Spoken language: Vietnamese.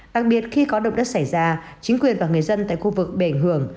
đặc biệt khi có động đất xảy ra chính quyền và người dân tại khu vực bề hưởng